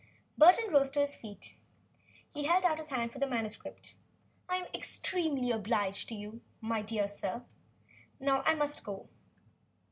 Burton rose to his feet. He held out his hand for the manuscript. "I am exceedingly obliged to you," he said. "Now I must go."